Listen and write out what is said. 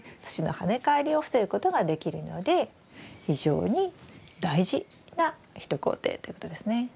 土の跳ね返りを防ぐことができるので非常に大事な一工程ということですね。